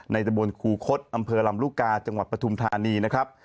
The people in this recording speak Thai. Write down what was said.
ตะบนครูคดอำเภอลำลูกกาจังหวัดปฐุมธานีนะครับ